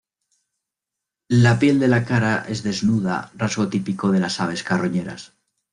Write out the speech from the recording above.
La piel de la cara es desnuda, rasgo típico de las aves carroñeras.